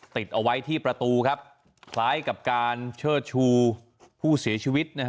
ติดเอาไว้ที่ประตูครับคล้ายกับการเชิดชูผู้เสียชีวิตนะฮะ